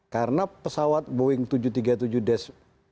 karena pesawat boeing tujuh ratus tiga puluh tujuh delapan mas